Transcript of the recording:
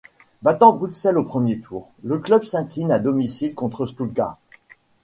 Battant Bruxelles au premier tour, le club s'incline à domicile contre Stuttgart.